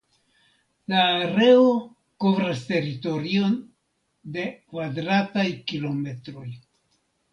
La areo kovras teritorion de kvadrataj kilometroj.